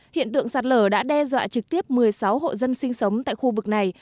hiện tượng sạt lở đã đe dọa trực tiếp một mươi sáu hộ dân sinh sống tại khu vực này